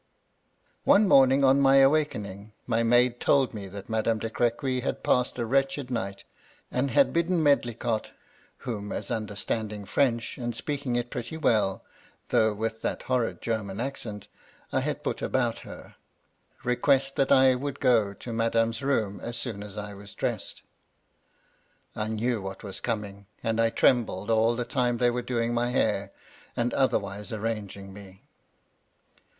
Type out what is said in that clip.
^* One morning, on my awakening, my maid told me that Madame de Crequy had passed a wretched night, and had bidden Medlicott (whom, as understanding French, and speaking it pretty well, though with that horrid German accent, I had put about her) request that I would go to madame's room as soon as I was dressed. " I knew what was coming, and I trembled all the time they were doing my hair, and otherwise arranging me.